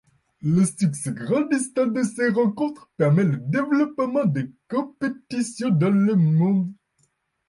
Le succès grandissant de ces rencontres permet le développement des compétitions dans le monde.